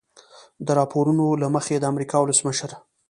د راپورونو له مخې د امریکا ولسمشر